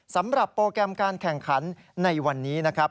สำหรับโปรแกรมการแข่งขันในวันนี้นะครับ